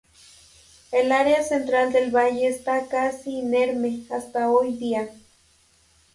El área central del valle está casi inerme hasta hoy día.